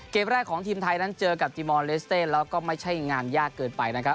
เกมแรกของทีมไทยนั้นเจอกับจีมอนเลสเต้แล้วก็ไม่ใช่งานยากเกินไปนะครับ